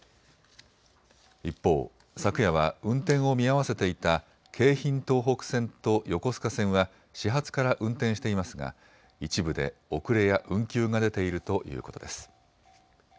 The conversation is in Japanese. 一方、昨夜は運転を見合わせていた京浜東北線と横須賀線は始発から運転していますが、一部で遅れや運休が出ているということです。